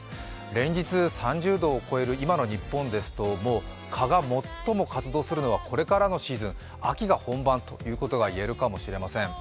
連日３０度を超える今の日本ですと蚊が最も活動するのはこれからのシーズン、秋が本番ということが言えるかもしれません。